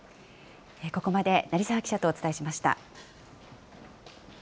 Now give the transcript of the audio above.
ここまで成澤記者とお伝えしました。